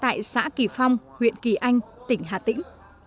tại xã kỳ phong huyện kỳ anh tỉnh hà tĩnh